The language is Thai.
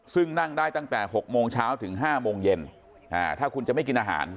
ซึ่งนั่งได้ตั้งแต่๖โมงเช้าถึง๕โมงเย็นถ้าคุณจะไม่กินอาหาร